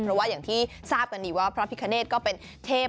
เพราะว่าอย่างที่ทราบกันดีว่าพระพิคเนธก็เป็นเทพ